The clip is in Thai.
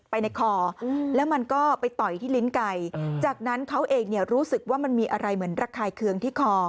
ไปในคอแล้วมันก็ไปต่อยที่ลิ้นไก่จากนั้นเขาเองเนี่ยรู้สึกว่ามันมีอะไรเหมือนระคายเคืองที่คอ